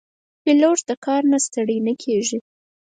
پیلوټ د کار نه ستړی نه کېږي.